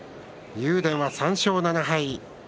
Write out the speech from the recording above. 竜電は３勝７敗。